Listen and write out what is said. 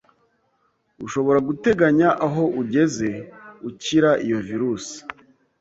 ushobora guteganya aho ugeze ukira iyo virusi